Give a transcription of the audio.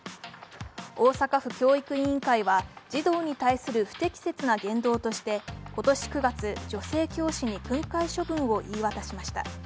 大阪府教育委員会は児童に対する不適切な言動として今年９月、女性教師に訓戒処分を言い渡しました。